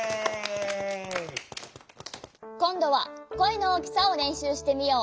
こんどはこえのおおきさをれんしゅうしてみよう。